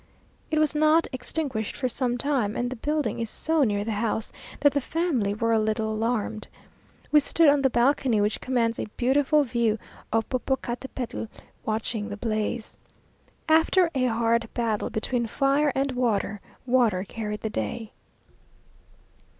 It was not extinguished for some time, and the building is so near the house, that the family were a little alarmed. We stood on the balcony, which commands a beautiful view of Popocatepetl, watching the blaze. After a hard battle between fire and water, water carried the day.